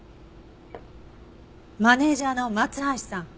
マネジャーの松橋さん